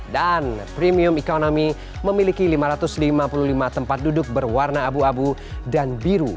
dan premium economy memiliki lima ratus lima puluh lima tempat duduk berwarna abu abu dan biru